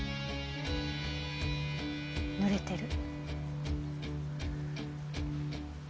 濡れてる。